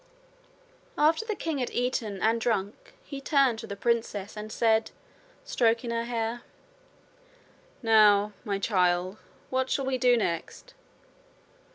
After the king had eaten and drunk he turned to the princess and said, stroking her hair: 'Now, my child, what shall we do next?'